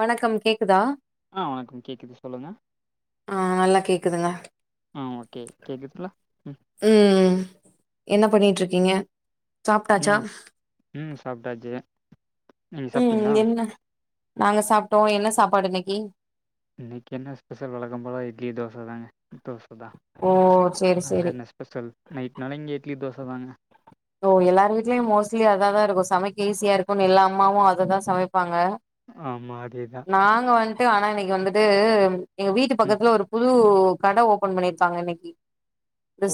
வணக்கம் கேக்குதா ஆ வணக்கம் கேக்குது சொல்லுங்க ஆ நல்லா கேக்குதுங்க ஆ ஓகே கேக்குதுங்லா ம் என்ன பண்ணிட்ருக்கீங்க சாப்டாச்சா ம் ம் சாப்டாச்சி ம் என்ன நாங்க சாப்டோ என்ன சாப்பாடு இன்னைக்கு இன்னைக்கு என்ன ஸ்பெஷல் வழக்கம் போல இட்லி தோச தாங்க தோச தா ஓ சேரி அங்க சேரி என்ன ஸ் பெசல் நைட்னாலே இங்க இட்லி தோச தாங்க ஓ எல்லார் வீட்லயு மோஸ்ட்லி அதா தா இருக்கு சமைக்க ஈஸியா இருக்குன் எல்லா அம்மாவு அததா சமைப்பாங்க ஆமா அதே தா நாங்க வந்ட்டு ஆனா இன்னைக்கு வந்துட்டு எங்க வீட்டு ம் பக்கத்துல ஒரு புது டூ கட ஓபன் பண்ணிர்காங்க இன்னைக்கி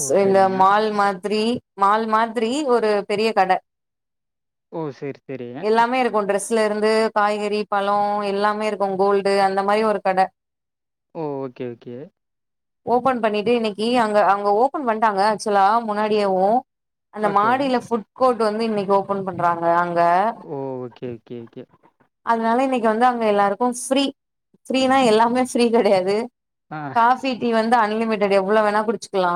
ஓ இந்த சரிங்க மால் மாதிரி மால் மாதிரி ஒரு பெரிய கட ஓ சேரி சேரி அ ஒ டிரெஸ்ல இருந்து காய்கறி பழோ எல்லாமே இருக்கு கோல்டு அந்த மாரி ஒரு கட ஓகே ஓகே ஓப்பன் பண்ணிட்டு இன்னைக்கி அங்க அவுங்க ஓபன் பண்ட்டாங்க ஆக்சுலா முன்னாடி யேவு அந்த ஓகே மாடியில ஃபுட் கோட் வந்து இன்னைக்கு ஓப்பன் பண்றாங்க அங்க ஓகே ஓகே ஓகே அதனால இன்னைக்கு வந்து அங்க எல்லாருக்கு ஃப்ரீ ஃப்ரீனா எல்லாமே ஃப்ரீ கெடையாது ஆ காஃபி டீ வந்து அன்லிமிடட் எவ்ளோ வேணா குடிச்சுக்லா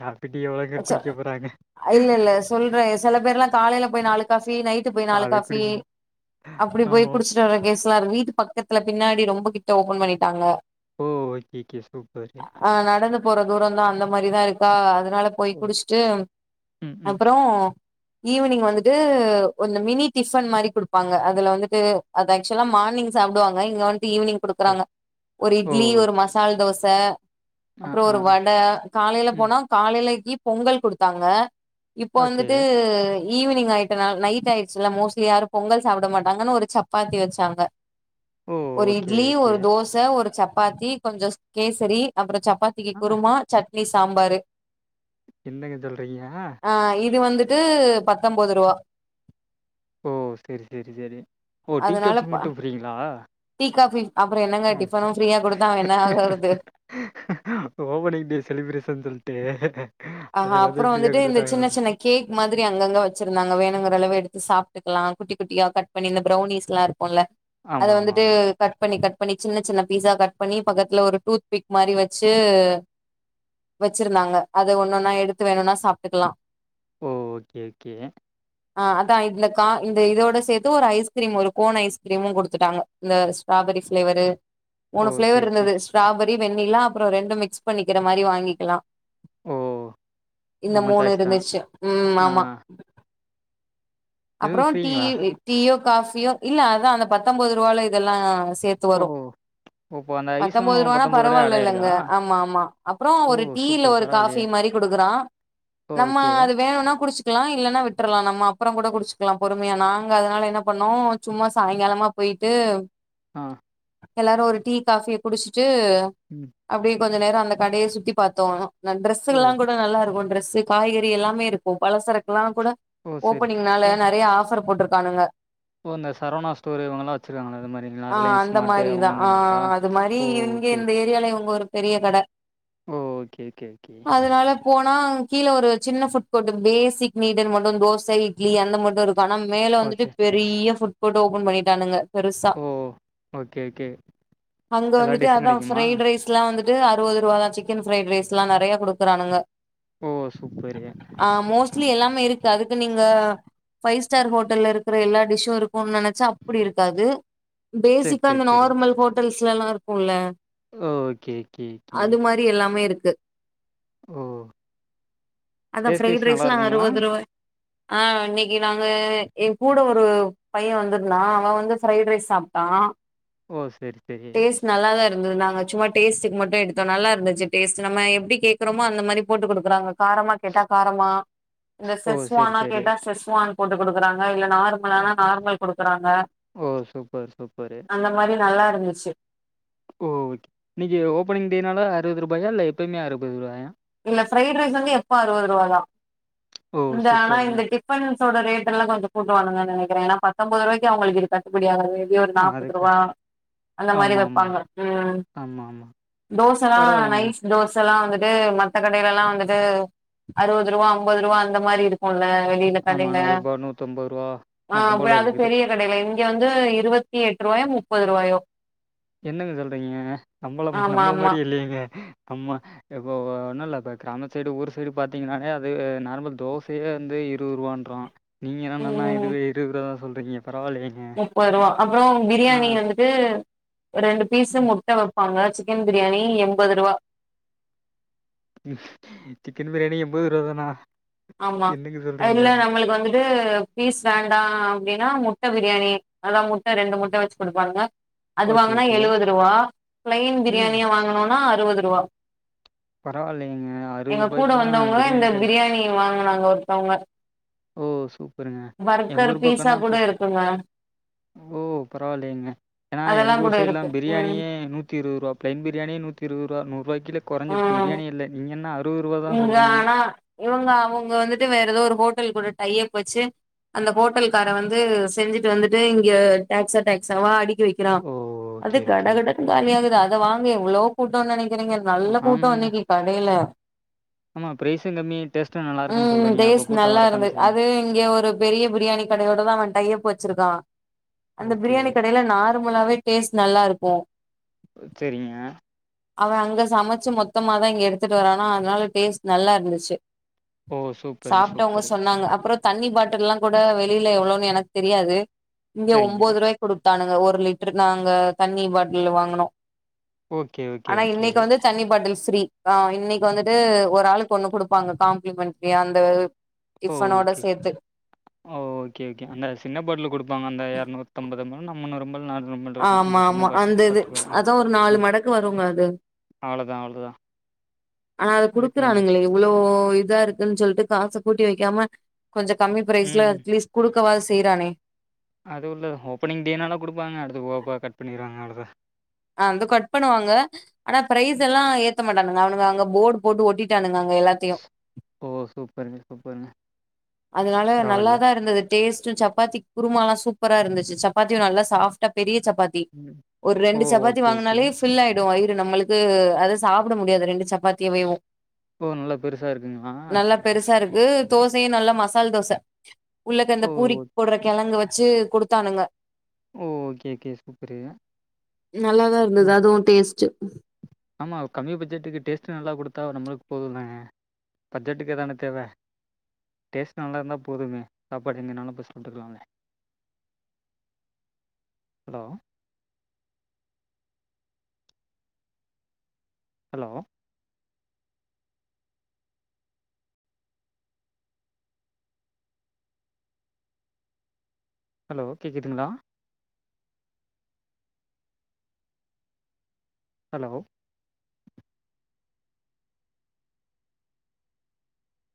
காப்பி டீ எவ்ளோ பேர் குடிக்க போறாங்க அ இல்ல இல்ல சொல்ற செல பேர்லா காலைல போய் நாளுக் காஃபி நைட்டு போய் நாலு அது காஃபி குடிங்க அப்டி போய் ஆமா குடிச்சிட்டு வர்ற கேஸ் லா இருக்கு வீட்டு பக்கத்துல பின்னாடி ரொம்ப கிட்ட ஓப்பன் பண்ணிட்டாங்க ஓ ஓக்கிக்கே சூப்பர் ஏ அ நடனு போற தூரந்தா அந்த மாரிதா இருக்கா அதுனால போய் ஓ குடிஷ்ட்டு ம் ம் அப்பறோ ஈவினிங் வந்துட்டு ஒன்னு மினி டிஃபன் மாரி குடுப் பாங்க அதுல வந்துட்டு அது ஆக்ஷ்வலா மார்னிங் சாப்டுவாங்க இங்க வந்ட்டு ஈவ்னிங் ஓகே குடுக்குறாங்க ஒரு ஓ இட்லி ஒரு மசால் தோச ஆ அப்றோ ஆ ஒரு ஆ வட காலைல ம். போனா காலைலேக்கி பொங்கல் குடுத்தாங்க இப்ப ஓகே. வந்துட்டு ஈவினிங் ஆயிட்டநாள நைட் ஆயிட்ச்சுல்ல மோஸ்ட்லி யாரு பொங்கல் சாப்புட மாட்டாங்கன்னு ஒரு சப்பாத்தி வச்சாங்க ஓ! ஒரு ஓகே, இட்லி ஓகே. ஒரு தோஸ் த ஒரு சப்பாத்தி கொஞ்சோஸ் கேசரி அப்புற சப்பாத்திக்கு ஆ குருமா சட்னி சாம்பாரு என்னங்க சொல்றீங்க அ இது வந்துட்டு பத்தம்போது ருவா ஓ சேரி சேரி சேரி ஓ டீ அதனால கப்ஃபி ப மட்டு ஃப்ரீங்ளா டீ காஃபி அப்புற என்னங்க டிஃபனு ஃப்ரீயா குடுத்தா அவ என்ன ஆகறது ஓபனிங் டே செலிப்ரேஷன் சொல்ட்டு அ அது ஹப்புற எல்லாத்தையும் ஃப்ரீயா வந்துட்டு இந்த குடுத்துட்டாங்கன்னு சின்ன சின்ன நெனச்சுட்டேன். கே மாதுரி அங்கங்க வச்சிருந்தாங்க வேணுங்குற அளவு எடுத்து சாப்ட்டுக்லா குட்டி குட்டியா கட் பண்ணி இந்த ப்ரௌனிஸ்லா இருக்குல்ல அத ஆமா, ஆமா, வந்துட்டு ஆமா. கட் பண்ணி கட் பண்ணி சின்ன சின்ன பீஸா கட் பண்ணி பக்கத்துல ஒரு டூத் பிக் மாரி வச்சு வச்சிருந்தாங்க அத ஒன்னொன்னா எடுத்து வேணுனா சாப்ட்டுக்குலா ஓ ஓக்கே உக்கே அ அதா இந்த கா இந்த இதோட சேத்து ஒரு ஐஸ்கிரீம் ஒரு கோன் ஐஸ்கிரீமு குடுத்துட்டாங்க இந்த ஸ்ராபரி ஃப்ளேவரு ஓ! மூணு ஃப்ளேவர் சரி, இருந்துது சரி. ஸ்ராபரி வெண்ணிலா அப்புறோ ரெண்டு மிக்ஸ் பண்ணிக்கிற மாரி வாங்கிக்கிலா ஓ இந்த நம்ம மூணு சாய்ஸ் தான். இருந்துச்சு ம் மாமா நான் அப்புறோ இதுவும் ஃப்ரீங்களா? டீயி டீயோ காஃபியோ இல்ல அதா அந்த பத்தம்போது ரூவால இதல்லா சேர் ஓஹோ பத்தம்போது ருவானா ஆட் பரவால்லலங்க ஆயிருதா? ஆமா ஆமா அப்றோ ஓ! ஒரு டீல சூப்பர் ஒரு காஃபி பரவாயில்லயே! மாரி குடுக்குறா ஓ! நம்ம ஓகே. அது வேணுன்னா குடிச் க்லா இல்லன்னா விட்றலா நம்ம அப்றங்கூட குடிச்சுக்லா பொறுமயா நாங்க அதுனால என்ன பண்ணோ சும்மா சாய்ங்காலமா பொய்ட்டு அ எல்லாரு ஒரு டீ காஃபிய குடிஷ்ட்டு ம் அப்டி கொஞ்ச நேரோ அந்த கடய சுத்தி பாத்தோ நா ஓ! டிரெஸ்ஸுல்லா கூட் நல்லாருக்கு ட்ரெஸ்ஸு காய்கறி எல்லாமே இருக்கு பலசரக்குல்லா கூட ஓ! சரி. ஓப்பனிங்னால நறைய ஆஃபர் போட்ருக்கானுங்க ஒஇந்த சரவணாஸ்டோரு இவுங்கல்லா வச்சிருக்ளே அத மாரிங்ளா ஆ ரிலையன்ஸ் அந்த ஸ்மாட்டு மாரிதா அவங்க ஆ மாரிங்ளா அது மாரி இவிங்க இந்த ஏரியால இவங்க ஒரு பெரிய கட ஓ கே கே கி அதுனால போனா கீழ ஒரு சின்ன ஃபுட் கோர்ட் இருக்கு பேசிக் நீடுன் மட்டு தோச இட்லி அந்த மட்டு இருக் கனம் மேல வந்துட்டு ஓகே பெரிய ஃபுட் கோட் ஓப்பன் பண்ணிட்டானுங்க பெருசா ஓ ஓகே ஓகே அங்க எல்லா வந்துட்டு டிஷ்ஷு அதா கெடைக்குமா ஃப்ரைட் ரைஸ் ட்லா வந்துட்டு அறுவதுருவாதா சிக்கன் ஃப்ரைட் ரைஸ்லா நறையா குடுக்குறானுங்க ஓ சூப்பரு ஆ மோஸ் ட்லி எல்லாமே இருக்கு அதுக்கு நீங்க பைவ் ஸ்டார் ஹோட்டல்ல இருக்குற எல்லா டிஷ்ம் இருக்கும்னு நினை அப்டி இருக்காது சேரி பேசிக்கா சேரி இந்த சேரி நார்மல் ஹோட்டல்ஸ்ல எல்லா இருக்கும்ல ஓகே கே கே எல்லாமே இருக்கு ஓ அதா டேஸ்ட் பிரைட் வைஸ் நல்லா ரைஸ்லா இருக்குங்களா அறுபது ரூபாய் ஆ இன்னைக்கு நாங்க என் கூட ஒரு பையே வந்துருந்தா அவே வந்து ஃபிரைட் ரைஸ் சாப்ட்டா ஓ சேரி சேரி நல்லாத தா இருந்தது நாங்க சும்மா டேஸ்டு மட்டும் எடுத்தோ நல்லா இருந்துச்சு டேஸ்ட் நம்ம எப்டி கேக்குறோமோ அந்த மாதிரி போட்டு குடுக்கறாங்க காரமா கேட்டா காரமா இந்த ஓ சேரி செஸ்வானா சேரி கேட்டா செஸ் வான் போட்டு குடுக்குறாங்க இல்ல நார்மல்னா நார்மல் குடுக்குறாங்க ஓ சூப்பர் சூப்பரு அந்த மாரி நல்லா இருந்துச்சு. ஓ வீடியோஓப்பனிங்டேனால அறுபது ரூபாயா இல்ல எப்பயுமே அறுபது ரூபாயா இல்ல ஃபிரைட் ரைஸ் வந்து எப்போ அறுபது ரூபா தா ஓ இந்த ஆனா சூப்பருங்க இந்த டிபன்ஸோட ரேட்ல்லாம் கூட்டு வாங்குவாங்கனு நெனைக்கிறே ஏன்னா பத்தொன்பது ரூபாய்க்கு இது கட்டுப்படியாகாது ஒரு ஆ நாப்பது அதுக்கு ரூபா அந்த மாரி ஆமா ஆமா வப்பாங்க உம் ஆமா ஆமா தோசைல்லா பரவாயில்லைங்க நைஸ் தோசைல்லாம் வந்துட் மத்த கடையிலல்லா வந்துட்டு அறுபது ரூபா ஐம்பது ரூபா அந்த மாதிரி இருக்கும் வெளிய ஆமா ருக்காதிங்க நூறுபா நூத்தம்பதுருவா அ நொக்கம் போல அது [unintelligible] இருக்குது பெரியவு கடையில இங்க வந்து இருபத்தி எட்டு ரூபாயோ முப்பது ரூபாயோ என்னங்க சொல்றீங்க நம்மள ஆமா நம்மள ஆமா மாதிரி இல்லையேங்க நம்ம இப்போ ஒன்னும் இல்ல இப்ப கிராம சைடு ஊர் சைடு பாத்தீங்கன்னானே அது நார்மல் தோசையே வந்து இருபது ரூபான்றான் நீங்க என்னன்னா ம் இதுவே இருபது ரூபாதா சொல்றீங்க பரவாயில்ல இங்க முப்பது ரூபா அப்றோம் பிரியாணி வந்துட்டு ரெண்டு பீஸ் முட்ட வப் வப்பாங்க சிக்கன் பிரியாணி எம்பது ரூபா சிக்கன் பிரியாணி எம்பது ரூபா தானா ஆமா என்னங்க சொல்றீங்க இல்ல நம்மளுக்கு வந்துட்டு பீஸ் வேண்டாம் அப்டின்னா முட்ட பிரியாணி அதா முட்ட ரெண்டு முட்ட வச்சு குடுப்பாணூங்க அது ஓகே வாங்குனா ஓகே எழுவது ரூபா பிளைன் ம் பிரியாணியா வாங்கனும்னா அறுபது ரூவா பரவாயில்லையேங்க எங்க கூட அறுவதுருபாய்க்குலா வந்தவங்க இந்த கெடைக்கு பிரியாணி வாங்னாங்க ஒருத்தவங்க ஓ சூப்பருங்க எங்க பர்கர் ஊர் பீஸா பக்கனா கூட இப்ப இருக்குங்க ஓ பரவாயில்லங்க ஏன்னா அதெல்லா எங்க கூட ஊர் இருக்கு சைட்லாம் ம் பிரியாணியே நூத்தி இருபது ரூபா பிளைன் பிரியாணியே நுத்திஇருபது ரூபா நுறு ரூபாய்க்கு கீழ குறைஞ்சு ம் பிரியாணியே இல்ல நீங்க என்ன அறுவது ரூவா தா இங்க சொல்றீங்க ஆனா இவுங்க அவுங்க வந்துட்டு வேற ஏதோ ஒரு ஹோட்டல் கூட டையப் வச்சு அந்த ஹோட்டல கார வந்து செஞ்சுட்டு வந்துட்டு இங்க டெக்ஸா டெக்ஸாவா அடிக்கி வைக் க்கிரோ ஓ அது ஓகே ஓகே ஓகே கடகடன்னு காலியாகுது அத வாங்க எவ்ளோ கூட்டம்ன்னு நெனைக்கிறீங்க ஆ, நல்ல கூட்டம் ஆமாங்க இன்னைக்கு கடையில ஆமா பிரரைஸும் கம்மி ஆயிட்டுடேஸ் உம் டேஸ்ட் நல்லா இருந்த அது இங்க ஒரு பெரிய பிரியாணி கடையோட தான் அவன் டையப் வச்சிருக்கான் அந்த ஓகே பிரியாணி கடையில நார்மலாவே டேஸ்ட் நல்லா இருக்கும் செரிங்க அவேன் அங்க சமச்சு மொத்தமாதா இங்க எடுத்துட்டு வரானா அதனால டேஸ்ட் நல்லா இருந்துச்சு ஓ சூப்பரு சாப்ட்டவங்க சூப்பரு சொன்னாங்க அப்றோ தண்ணி பாட்டில்லாம் கூட வெளியில எவ்ளோன்னு எனக்கு தெரியாது இங்க செரிங்க ஒம்பது ரூபாய்க்கு குடுத்தானுங்க ஒரு லிட்டரு நாங்க தண்ணி பாட்டில் வாங்குனோ ஓகே ஓகே ஆனா ஓகே இன்னைக்கி வந்து தண்ணி பாட்டில் ஃபிரீ ஆ இன்னைக்கி வந்துட்டு ஒரு ஆளுக் கு ஒண்ணு குடுப்பாங்க காம்ப்ளிமென்ட்ரி அந்த ஓ டிஃபனோட ஓகே சேத்து ஓகே ஓகே அந்த சின்ன பாட்டில் குடு ப்பாங்க அந்த இருநூத்தம்பது நம் முன்னூறு எம்மல் நானூறு ரொமண்ட்ருக்கு ஆமா அந்த சின்ன ஆமா பாட்டுலு அந்த இது பத்து ரூபாதா ஆ அதா ஒரு நாலு மடக்கு வருங்க அது ஆ அவ்ளோதா அவ்ளோதா ஆனா அத அதுக்கு மேல குடுக்குறானுங்களே இவ்ளோ இதா இருக்குன்னு சொல்லிட்டு காச கூட்டி வைக்காம கொஞ்சோ கம்மி பிரைஸ்ல ம். அட்லீஸ்ட் குடுக்கவாது செய்யுறானே அதுவுல்ல ஓப்பனிங் டேனாலா குடுப்பாங்க அடுத்து போக போக கட்பண்ணிடுவாங்க அவ்ளோதா அ வந்த கட் பண்ணுவாங்க ஆனா பிரைஸெல்லா ஏத்த மாட்டானுங்க அவனுங்க அங்க போர்டு போட்டு ஓட்டிட்டானுங்க அங்க எல்லாத் தையு ஓ! சூப்பருங்க, சூப்பருங்க. அதனால பரவால்ல. நல்லாதா இருந்தது டேஸ்ட்டு சப்பாத்தி குருமாலா சூப்பராருந்துச்சு சப்பாத்தியு நல்லா சாஃப்டா பெரிய சப்பாத் தி ம். ஒரு ஓ! ரெண்டு சப்பாத்தி ஓகே, வாங்குனாலே ஓகேங்க. ஃபிலாயிடு வயிறு நம்மளுக்கு அத சாப்பிட முடியாது ரெண்டு சப்பாத் தேவையவு ஓ! நல்லா பெருசா இருக்குங்களா? நல்ல பெருசாருக்கு தோசையு நல்லா மசால் தோச உள்ளக்க அந்த ஓ! ஓ! பூரிக் போடுற கெழங்கு வச்சு குடுத்தானுங்க ஓ ஓகே ஓகே சூப்பரு நல்லாதா இருந்தது ம். அதுவு டேஸ்ட்டு ஆமா ஒரு கம்மி பட்ஜெட்டுக்கு டேஸ்ட்டு நல்லா குடுத்தா நம்மளுக்கு போதுதாங்க பட்ஜெட்கு தான தேவ டேஸ்டு நல்லா இருந்தா போதுமே சாப்பாடு எங்கனாலு போய் சாப்ட்டுக்கலாங்க ஹலோ ஹலோ ஹலோ கேட்குதுங்களா ஹலோ